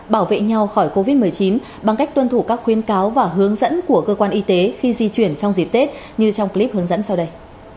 bảo vệ nhau khỏi covid một mươi chín bằng cách tuân thủ các khuyến cáo và hướng dẫn của cơ quan y tế khi di chuyển trong dịp tết như trong clip hướng dẫn sau đây